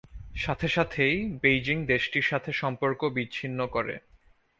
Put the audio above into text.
সাথে সাথেই বেইজিং দেশটির সাথে সম্পর্ক বিচ্ছিন্ন করে।